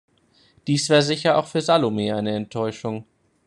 Dies war sicherlich auch für Salome eine Enttäuschung.